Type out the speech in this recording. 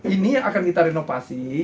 ini yang akan kita renovasi